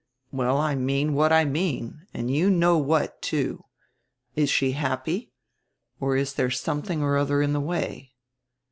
"Well, I mean what I mean and you know what, too. Is she happy? Or is there something or other in the way?